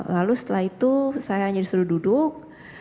lalu setelah itu saya hanya disuruh duduk